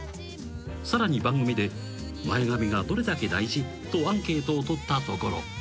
［さらに番組で「前髪がどれだけ大事？」とアンケートを取ったところ］